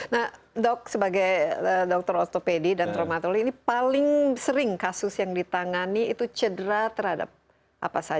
nah dok sebagai dokter ostopedi dan traumatologi ini paling sering kasus yang ditangani itu cedera terhadap apa saja